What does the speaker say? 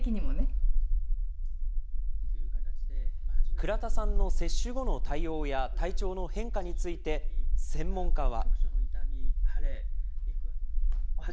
倉田さんの接種後の対応や、体調の変化について、専門家は。